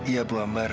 iya bu ambar